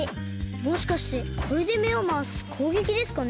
もしかしてこれでめをまわすこうげきですかね？